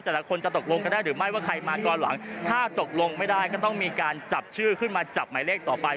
แต่ละคนจะตกลงกันได้หรือไม่ว่าใครมาก่อนหลังถ้าตกลงไม่ได้ก็ต้องมีการจับชื่อขึ้นมาจับหมายเลขต่อไป